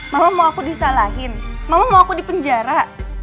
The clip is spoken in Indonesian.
mama mau aku disalahin mama mau aku dipenjara